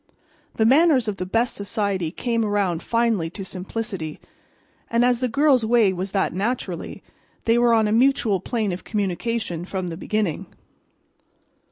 The manners of the best society come around finally to simplicity; and as the girl's way was that naturally, they were on a mutual plane of communication from the beginning.